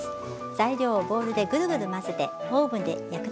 材料をボウルでグルグル混ぜてオーブンで焼くだけ。